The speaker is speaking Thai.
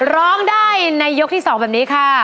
ร้องได้ในยกที่๒แบบนี้ค่ะ